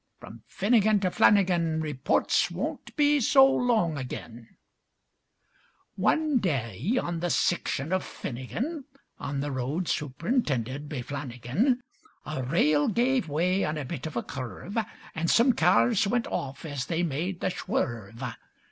From Finnigin to Flannigan Repoorts won't be long ag'in." Wan da ay, on the siction av Finnigin, On the road sup'rintinded by Flannigan, A rail give way on a bit av a curve, An' some kyars went off as they made the swerve.